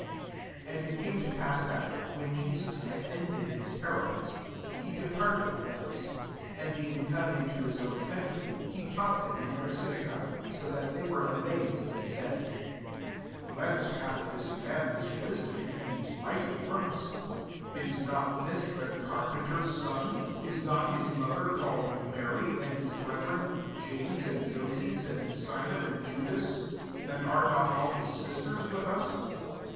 53 And it came to pass tkat^ when Jesus had ended these pa rables, he departed thence. 54 And being come into his own country, he taught them in their synagogue; so that they were amazed, and said, "Whence hath this man this wisdom, and theae mighty works ? 55 Is not this the car penter's son? is not his mo ther called Mary ? and his bre thren, James, and Joses, and Simon, and Judas ? 56 and are not all his sisters with us?